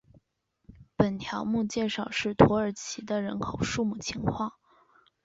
本条目介绍的是土耳其的人口数目情况。